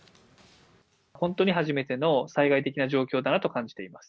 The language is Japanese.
本当に初めての災害的な状況だなと感じています。